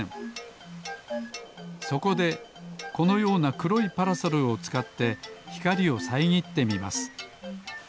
そこでこのようなくろいパラソルをつかってひかりをさえぎってみます。